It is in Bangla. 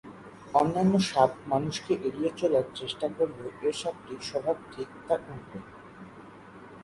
অন্যান্য সাপ মানুষকে এড়িয়ে চলার চেষ্টা করলেও এ সাপটি স্বভাব ঠিক তার উল্টো।